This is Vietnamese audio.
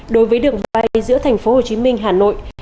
đối với đường bay giữa thành phố hồ chí minh hà nội